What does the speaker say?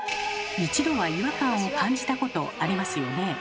一度は違和感を感じたことありますよね？